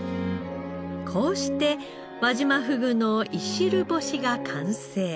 こうして輪島ふぐのいしる干しが完成。